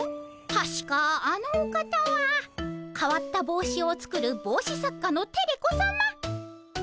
たしかあのお方はかわった帽子を作る帽子作家のテレ子さま。